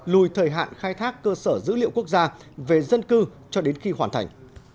lùi thời hạn khai thác cơ sở dữ liệu quốc gia về dân cư cho đến khi hoàn thành